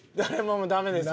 「ダメです。